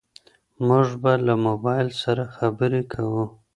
موږ به له موبايل سره خبرې کوو.